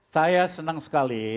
saya senang sekali